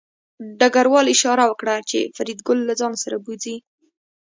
ډګروال اشاره وکړه چې فریدګل له ځان سره بوځي